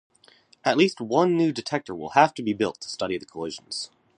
At least one new detector will have to be built to study the collisions.